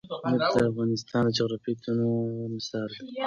نفت د افغانستان د جغرافیوي تنوع مثال دی.